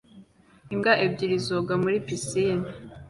Imbwa ebyiri zoga muri pisine